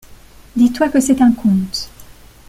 Dis-toi que c’est un conte.